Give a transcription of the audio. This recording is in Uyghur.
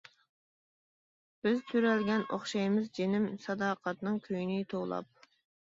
بىز تۆرەلگەن ئوخشايمىز جېنىم، ساداقەتنىڭ كۈيىنى توۋلاپ.